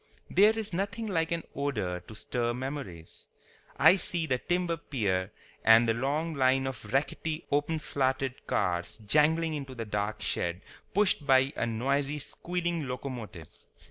There is nothing like an odor to stir memories. I see the timber pier and the long line of rackety openslatted cars jangling into the dark shed, pushed by a noisy, squealing locomotive.